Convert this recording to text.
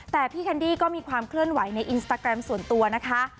แต่พี่แคนดี้ก็มีความเคลื่อนไหวในอินสตาแกรมส่วนตัวนะคะ